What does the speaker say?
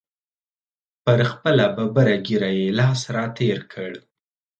پر خپله ببره ږیره یې لاس را تېر کړ.